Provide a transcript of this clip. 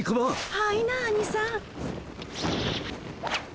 あいなアニさん！